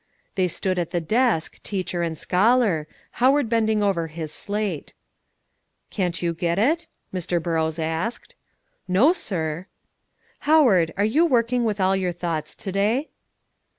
They stood at the desk, teacher and scholar, Howard bending over his slate. "Can't you get it?" Mr. Burrows asked, "No, sir." "Howard, are you working with all your thoughts to day?"